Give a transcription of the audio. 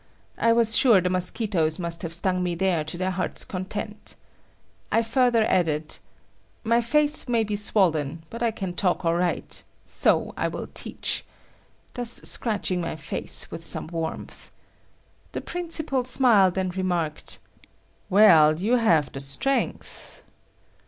I was sure the mosquitoes must have stung me there to their hearts' content. I further added: "My face may be swollen, but I can talk all right; so I will teach;" thus scratching my face with some warmth. The principal smiled and remarked, "Well, you have the strength."